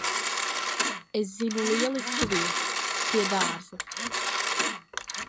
Es zinu lielisku vietu. Pie dārza.